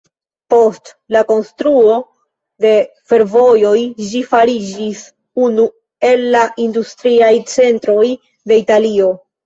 Post la konstruo de fervojoj ĝi fariĝis unu el la industriaj centroj de Italio.